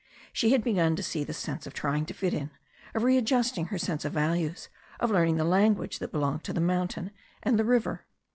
She had begun to see the sense of trying to fit in, of readjusting her sense of values, of learning the language that belonged to the mountain and the river.